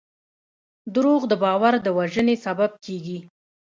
دروغ د باور د وژنې سبب کېږي.